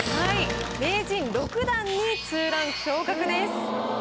名人６段に２ランク昇格です。